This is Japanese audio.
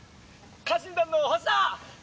家臣団の星だ！」。